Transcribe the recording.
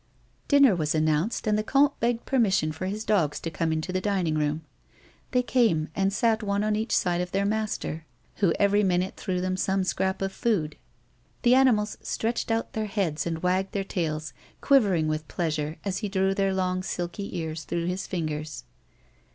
Dinner was announced and the comte begged permission for his dogs to come into the dining room. They came and sat one on each side of their master who every minute threw them some scrap of food. The animals stretched out their heads, and wagged their tails, quivering with pleasure as he drew their long silky ears through his fingers.